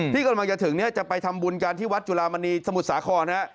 ที่กำลังจะถึงเนี่ยจะไปทำบุญกันที่วัดจุลามณีสมุทรสาคร